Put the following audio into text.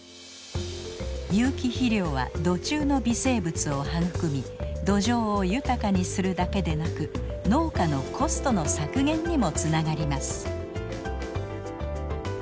有機肥料は土中の微生物を育み土壌を豊かにするだけでなく農家のコストの削減にもつながります。